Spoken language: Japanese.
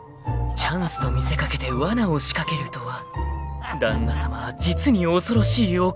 ［チャンスと見せ掛けてわなを仕掛けるとは旦那さまは実に恐ろしいお方］